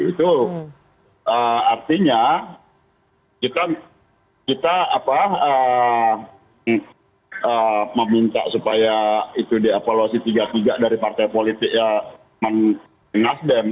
itu artinya kita meminta supaya diavaluasi tiga tiga dari partai politik yang nasdem